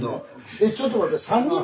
えちょっと待って。